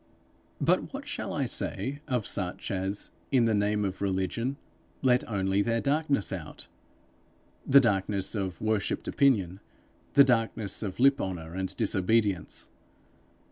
But what shall I say of such as, in the name of religion, let only their darkness out the darkness of worshipped opinion, the darkness of lip honour and disobedience!